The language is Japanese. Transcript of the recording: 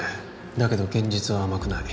だけど現実は甘くない